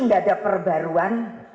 nggak ada perbaruan